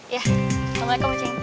iya assalamualaikum cing